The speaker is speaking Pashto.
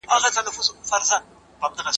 ¬ تر سلو شاباسو يوه ايکي ښه ده.